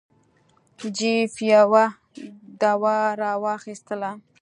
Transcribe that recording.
جیف یوه دوا را واخیستله.